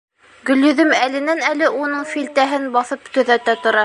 Гөлйөҙөм әленән-әле уның филтәһен баҫып төҙәтә тора.